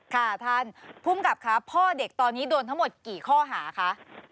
ค่ะท่านภูมิกับค่ะพ่อเด็กตอนนี้โดนทั้งหมดกี่ข้อหาคะ